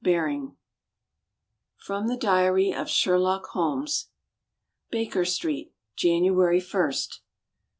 VIII FROM THE DIARY OF SHERLOCK HOLMES Baker Street, January 1.